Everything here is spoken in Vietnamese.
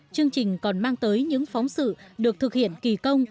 chương trình còn mang tới những phóng sự được thực hiện kỳ công